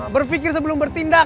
berpikir sebelum bertindak